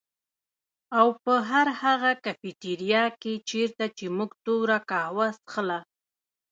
او په هر هغه کيفېټيريا کي چيرته چي مونږ توره کهوه څښله